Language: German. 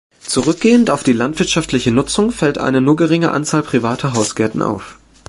Zurückgehend auf die landwirtschaftliche Nutzung fällt eine nur geringe Anzahl privater Hausgärten auf.